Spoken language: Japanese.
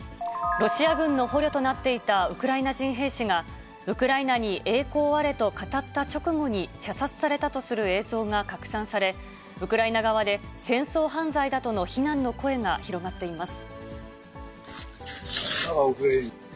ロシア軍の捕虜となっていたウクライナ人兵士が、ウクライナに栄光あれと語った直後に射殺されたとする映像が拡散され、ウクライナ側で戦争犯罪だとの非難の声が広がっています。